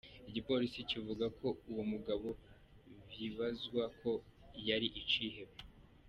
Igipolisi kivuga ko uwo mugabo vyibazwa ko yari icihebe.